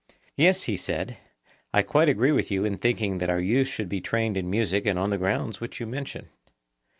Yes, he said, I quite agree with you in thinking that our youth should be trained in music and on the grounds which you mention.